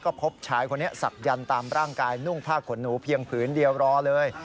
ก็พบชายคนนี้ศักยันต์ตามร่างกายนุ่งผ้าขนหนูเพียงผืนเดียวรอเลย